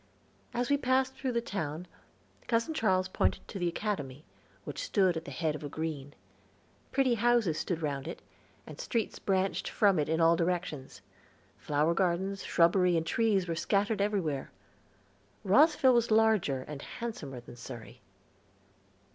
As we passed through the town, Cousin Charles pointed to the Academy, which stood at the head of a green. Pretty houses stood round it, and streets branched from it in all directions. Flower gardens, shrubbery, and trees were scattered everywhere. Rosville was larger and handsomer than Surrey.